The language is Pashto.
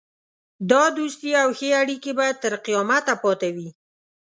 دا دوستي او ښې اړېکې به تر قیامته پاته وي.